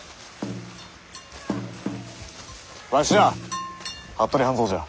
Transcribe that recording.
わしじゃ服部半蔵じゃ。